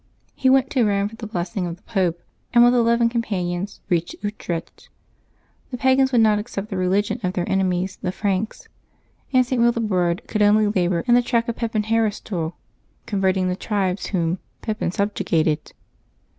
He went to Eome for the bless ing of the Pope, and with eleven companions reached Ut recht. The pagans would not accept the religion of their November 8] LIVES OF THE 8AINT8 353 enemies, the Franks; and St. Willibrord couM only labor in the track of Pepin Heristal, converting the tribes whom Pepin subjugated.